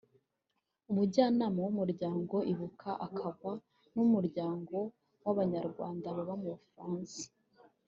Umujyanama w’Umuryango Ibuka akaba n’uw’umuryango w’Abanyarwanda baba mu Bufaransa